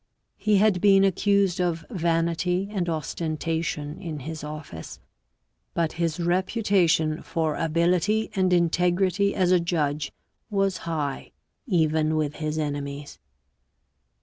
He had been accused of vanity and ostentation in his office, but his reputation for ability and integrity as a judge was high even with his enemies.